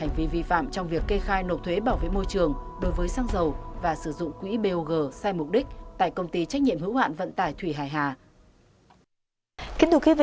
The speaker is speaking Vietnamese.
hành vi vi phạm trong việc kê khai nộp thuế bảo vệ môi trường đối với xăng dầu và sử dụng quỹ bog sai mục đích tại công ty trách nhiệm hữu hạn vận tải thủy hải hà